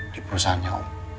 di perusahaannya om